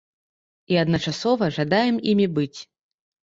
І адначасова жадаем імі быць.